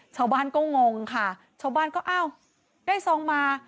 ชาวบ้านก็งงค่ะชาวบ้านก็อ้าวได้ซองมา